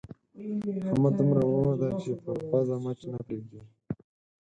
احمد دومره مغروره دی چې پر پزه مچ نه پرېږدي.